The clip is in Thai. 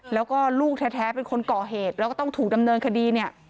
แล้วก็ลูกแท้เป็นคนก่อเหตุแล้วก็ต้องถูกดำเนินคดีเนี่ย